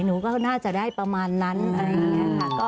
หนูก็น่าจะได้ประมาณนั้นอะไรอย่างนี้ค่ะ